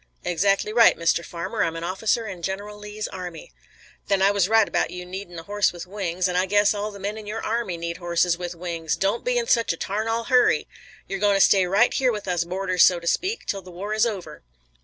"Exactly right, Mr. Farmer. I'm an officer in General Lee's army." "Then I wuz right 'bout you needin' a horse with wings. An' I guess all the men in your army need horses with wings. Don't be in such a tarnal hurry. You're goin' to stay right up here with us, boarders, so to speak, till the war is over."